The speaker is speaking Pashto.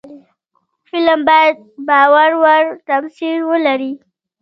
فلم باید باور وړ تمثیل ولري